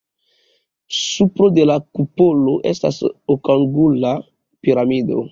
Supro de la kupolo estas okangula piramido.